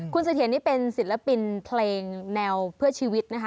คุณเสถียรนี่เป็นศิลปินเพลงแนวเพื่อชีวิตนะคะ